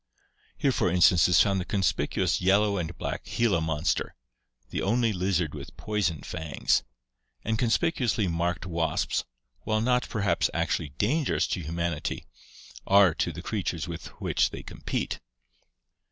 Here for instance is found the conspicuous yellow and black Gila monster, the only lizard with poison fangs; and conspicuously marked wasps, while not, perhaps, actually dangerous to humanity, are to the creatures with which they compete.